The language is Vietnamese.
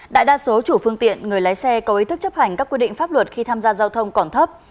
đại đa số chủ phương tiện người lái xe có ý thức chấp hành các quy định pháp luật khi tham gia giao thông còn thấp